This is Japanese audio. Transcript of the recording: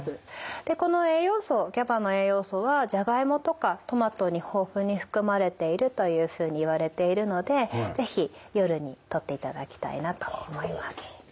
でこの栄養素ＧＡＢＡの栄養素はジャガイモとかトマトに豊富に含まれているというふうにいわれているので是非夜にとっていただきたいなと思います。